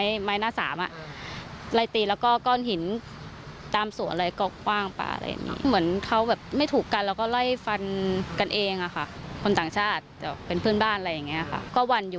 คุณพี่ท่านนี้บอกเคยเจอเจอบ่อยด้วย